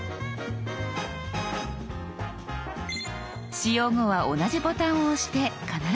使用後は同じボタンを押して必ず消しましょう。